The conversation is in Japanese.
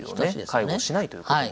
介護しないということも。